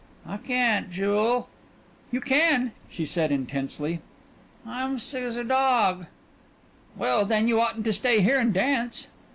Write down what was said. "I can't, Jewel, " "You can," she said intensely. "I'm sick as a dog!" "Well, then, you oughtn't to stay here and dance."